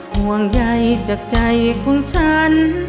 ห่วงใยจากใจของฉัน